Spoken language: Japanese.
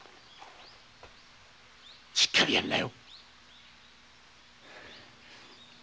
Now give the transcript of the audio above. しっかりやりなよ！